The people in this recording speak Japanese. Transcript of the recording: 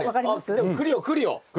でもくるよくるよ。